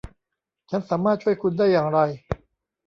ฉันสามารถช่วยคุณได้อย่างไร